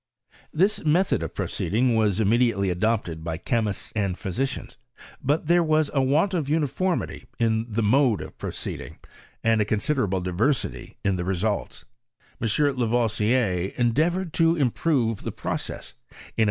This method of proceeding was immediately adopted by chemists and physicians ; but there was a want of uniformity in the mode of proceeding, and a considerable diversity in the results. M. La voisier endeavoured to improve the process, in a.